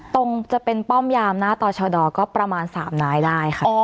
ตรงจะเป็นป้อมยามน่าต่อเชดอก็ประมาณสามน้ายได้ค่ะ